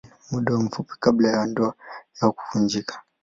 Muda mfupi kabla ya ndoa yao kuvunjika.